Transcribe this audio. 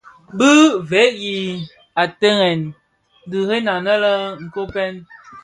Bi veg i ateghèn diren aně le Koppen,